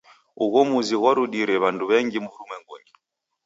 Ugho muzi ghwarudire w'andu w'engi w'urumwengunyi.